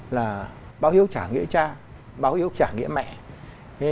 là báo hiếu trả nghĩa trang báo hiếu trả nghĩa mẹ